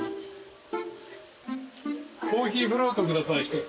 コーヒーフロート下さい１つ。